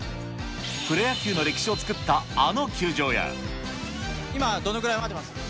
プロ野球の歴史を作ったあの今、どのぐらい待ってます？